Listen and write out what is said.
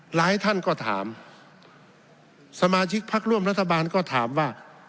หลายท่านก็ถามสมาชิกพักร่วมรัฐบาลก็ถามว่า